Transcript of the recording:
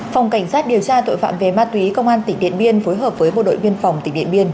phòng cảnh sát điều tra tội phạm về ma túy công an tỉnh điện biên phối hợp với bộ đội biên phòng tỉnh điện biên